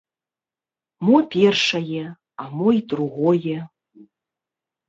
Мо першае, а мо і другое.